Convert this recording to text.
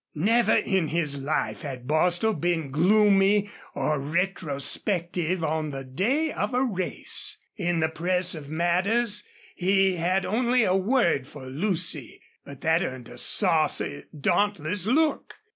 Never in his life had Bostil been gloomy or retrospective on the day of a race. In the press of matters he had only a word for Lucy, but that earned a saucy, dauntless look.